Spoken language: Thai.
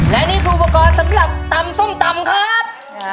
และนี่ภูปรากฏสำหรับตำส้มตำครับ